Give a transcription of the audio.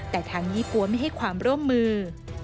แต่ทางยี่ปั๊วไม่ให้ความร่วมมือ